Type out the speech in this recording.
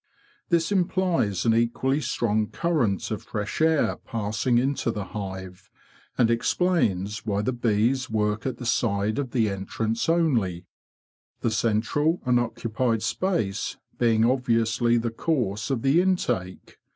This implies an equally strong current of fresh air passing into the hive, and explains why the bees work at the side of the entrance only, the central, THE MIND IN THE HIVE 143 unoccupied space being obviously the course of the intake.